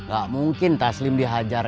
gak mungkin taslim dihajar